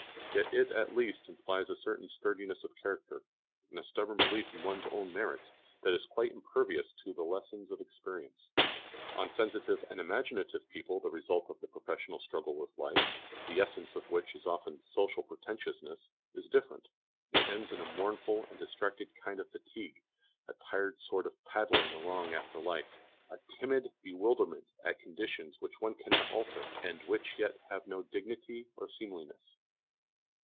Yet it at least implies a certain sturdiness of character, and a stubborn belief in one's own merits which is quite impervious to the lessons of experience. On sensitive and imaginative people the result of the professional struggle with life, the essence of which is often social pretentiousness, is different. It ends in a mournful and distracted kind of fatigue, a tired sort of padding along after life, a timid bewilderment at conditions which one cannot alter, and which yet have no dignity or seemliness.